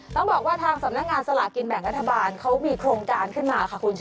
ต้องบอกว่าทางสำนักงานสลากินแบ่งรัฐบาลเขามีโครงการขึ้นมาค่ะคุณชนะ